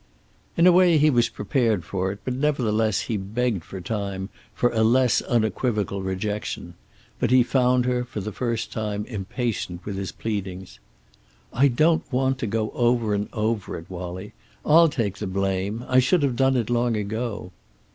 In a way he was prepared for it but nevertheless he begged for time, for a less unequivocal rejection. But he found her, for the first time, impatient with his pleadings. "I don't want to go over and over it, Wallie. I'll take the blame. I should have done it long ago."